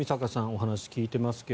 お話を聞いていますが